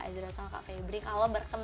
sama kak ezra sama kak febri kalau berkenan